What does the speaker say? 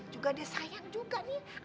juga dia sayang juga nih